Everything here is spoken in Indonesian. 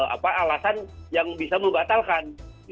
apa alasan yang bisa membatalkan